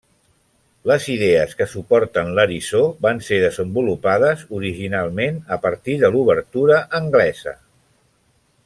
Les idees que suporten l'eriçó van ser desenvolupades originalment a partir de l'obertura anglesa.